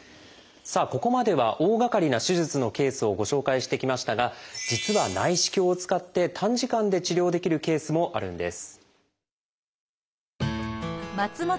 ここまでは大がかりな手術のケースをご紹介してきましたが実は内視鏡を使って短時間で治療できるケースもあるんです。